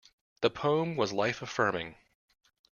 The poem was life-affirming.